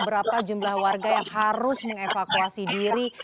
berapa jumlah warga yang harus mengevakuasi diri